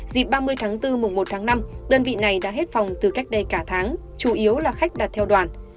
dịp ba mươi tháng bốn mùng một tháng năm đơn vị này đã hết phòng từ cách đây cả tháng chủ yếu là khách đặt theo đoàn